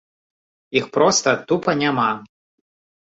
Іх проста тупа няма.